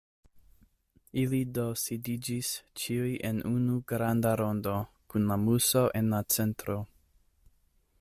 Ili do sidiĝis, ĉiuj en unu granda rondo, kun la Muso en la centro.